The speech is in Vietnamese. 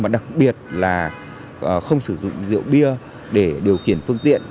đặc biệt là không sử dụng rượu bia để điều khiển phương tiện